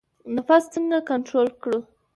نفس څنګه کنټرول کړو؟